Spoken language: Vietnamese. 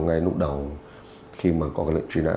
ngay lúc đầu khi mà có cái lệnh truy nã